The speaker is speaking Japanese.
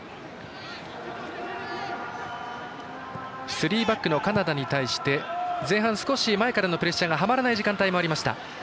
スリーバックのカナダに対して前半、前からのプレッシャーがはまらない時間帯もありました。